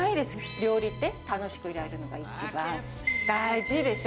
料理って楽しくやるのが一番大事でしょ。